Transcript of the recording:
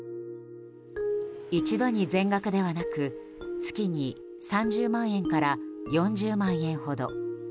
一度に全額ではなく月に３０万円から４０万円ほど。